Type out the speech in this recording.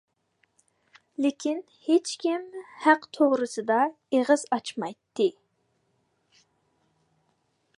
لېكىن ھېچكىم ھەق توغرىسىدا ئېغىز ئاچمايتتى.